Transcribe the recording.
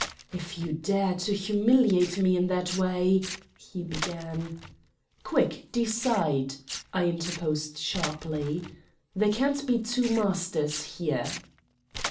"If you dare to humiliate me in that way " he began. "Quick, decide," I interposed sharply. "There can't be two masters here."